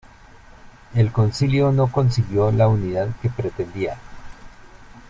El Concilio no consiguió la unidad que pretendía.